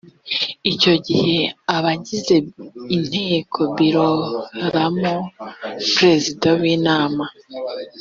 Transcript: icyo gihe abagize inteko bitoramo perezida w’inama